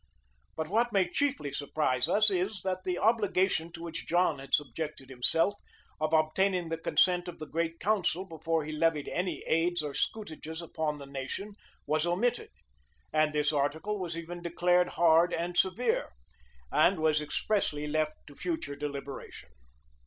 But what may chiefly surprise us is, that the obligation to which John had subjected himself, of obtaining the consent of the great council before he levied any aids or scutages upon the nation, was omitted; and this article was even declared hard and severe, and was expressly left to future deliberation.